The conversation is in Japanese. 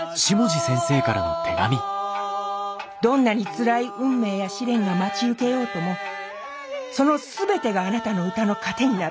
「どんなに辛い運命や試練が待ち受けようともその全てがあなたの歌の糧になる。